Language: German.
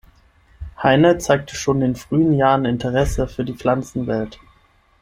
Hayne zeigte schon in frühen Jahren Interesse für die Pflanzenwelt.